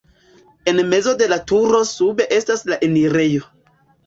En mezo de la turo sube estas la enirejo.